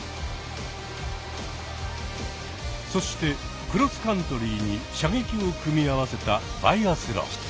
そしてクロスカントリーに射撃を組み合わせたバイアスロン。